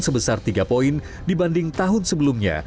sebesar tiga poin dibanding tahun sebelumnya